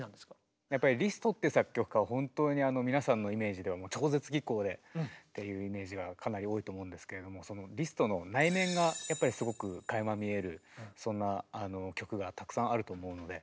やっぱりリストって作曲家は本当に皆さんのイメージでは超絶技巧でっていうイメージがかなり多いと思うんですけれどもリストの内面がやっぱりすごくかいま見えるそんな曲がたくさんあると思うので。